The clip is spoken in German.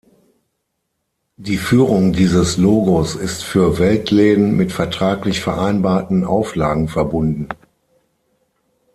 Die Führung dieses Logos ist für Weltläden mit vertraglich vereinbarten Auflagen verbunden.